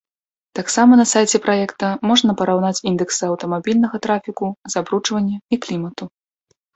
Таксама на сайце праекта можна параўнаць індэксы аўтамабільнага трафіку, забруджвання і клімату.